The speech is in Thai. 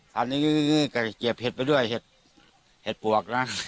ตอนนี้ก็เก็บเห็ดไปด้วยเห็ดเห็ดปลวกนะ